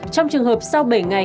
trong trường hợp sau bảy ngày